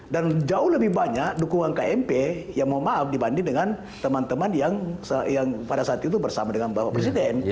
dan jauh lebih banyak dukungan kmp yang memaham dibanding dengan teman teman yang pada saat itu bersama dengan bapak presiden